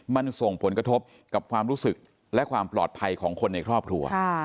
มันส่งผลกระทบกับความรู้สึกและความปลอดภัยของคนในครอบครัว